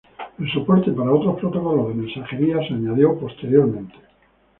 El soporte para otros protocolos de mensajería se añadió más adelante.